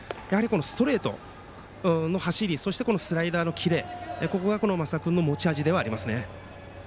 ストレートの走りそして、このスライダーのキレこれが升田君の持ち味ではありますね。